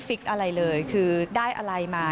ฟิกอะไรเลยคือได้อะไรมา